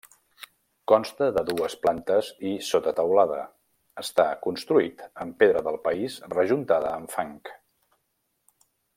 Consta de dues plantes i sotateulada; està construït amb pedra del país rejuntada amb fang.